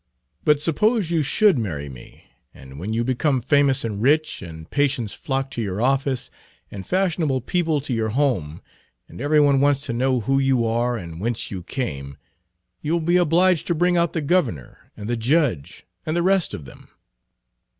"But suppose you should marry me, and when you become famous and rich, and patients flock to your office, and Page 32 fashionable people to your home, and every one wants to know who you are and whence you came, you'll be obliged to bring out the governor, and the judge, and the rest of them.